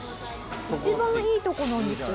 一番いいとこなんですよ